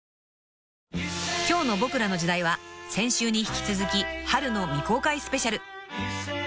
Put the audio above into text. ［今日の『ボクらの時代』は先週に引き続き春の未公開スペシャル］